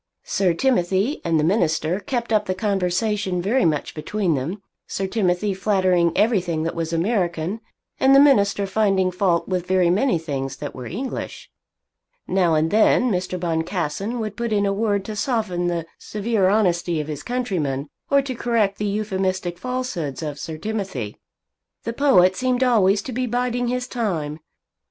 Sir Timothy and the minister kept up the conversation very much between them, Sir Timothy flattering everything that was American, and the minister finding fault with very many things that were English. Now and then Mr. Boncassen would put in a word to soften the severe honesty of his countryman, or to correct the euphemistic falsehoods of Sir Timothy. The poet seemed always to be biding his time.